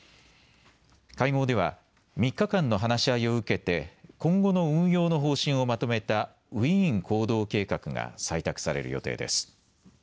会合では３日間の話し合いを受けて今後の運用の方針をまとめたウィーン行動計画が採択される予定です。